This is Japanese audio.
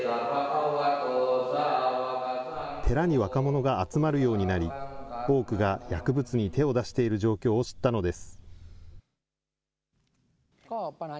寺に若者が集まるようになり、多くが薬物に手を出している状況を知ったのです。